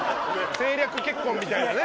政略結婚みたいなね。